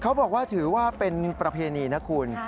เขาบอกว่าถือว่าเป็นประเพณีนะคุณ